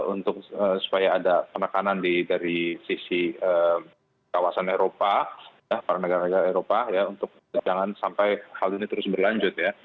untuk supaya ada penekanan dari sisi kawasan eropa para negara negara eropa ya untuk jangan sampai hal ini terus berlanjut ya